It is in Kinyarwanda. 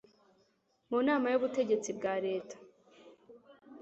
mu Nama y Ubutegetsi bwa leta